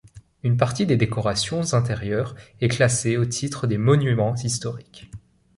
Une partie des décorations intérieures est classée au titre des Monuments historiques.